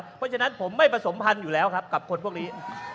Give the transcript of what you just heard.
เพราะฉะนั้นผมไม่ผสมพันธุ์อยู่แล้วครับกับคนพวกนี้